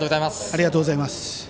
ありがとうございます。